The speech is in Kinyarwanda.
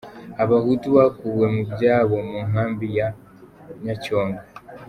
Abahutu bakuwe mu byabo mu nkambi ya Nyacyonga